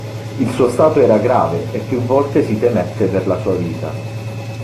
Il suo stato era grave e più volte si temette per la sua vita.